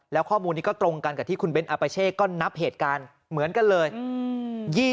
แล้วข้อมูลนี้ก็ตรงกันกับที่คุณเบ้นอาปาเช่ก็นับเหตุการณ์เหมือนกันเลย